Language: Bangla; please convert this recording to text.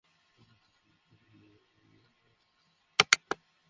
ঔই যে পিতামহর সাথে তোমাকে দেখা করাইলাম না?